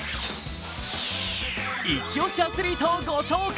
イチ推しアスリートをご紹介